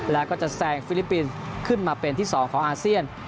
แล้วก็จะแซงฟิลิปปินส์ขึ้นมาเป็นที่๒ของอาเซียน